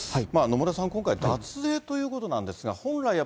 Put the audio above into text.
野村さん、今回、脱税ということなんですが、本来、